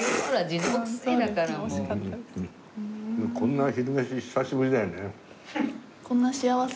こんな昼飯久しぶりだよね。